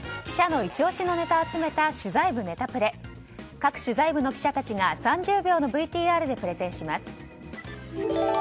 各取材部の記者たちが３０秒のＶＴＲでプレゼンします。